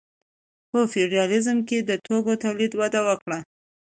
په فیوډالیزم کې د توکو تولید وده وکړه.